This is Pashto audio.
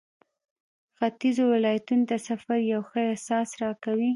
ختيځو ولایتونو ته سفر یو ښه احساس راکوي.